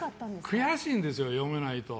悔しいんですよ、読めないと。